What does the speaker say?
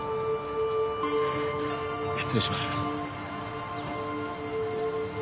失礼します。